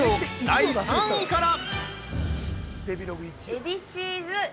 第３位から。